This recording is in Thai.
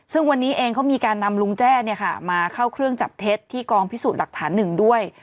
ซึ่งวันนี้เองเขามีการนำลุงแจ้มาเข้าเครื่องจับเท็จที่กองพิสูจน์หลักฐานหนึ่งด้วย